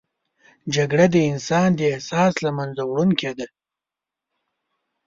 جګړه د انسان د احساس له منځه وړونکې ده